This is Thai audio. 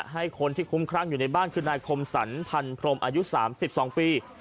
ให้คนที่คุ้มครั่งอยู่ในบ้านคือนายคมสรรพันพรมอายุ๓๒ปี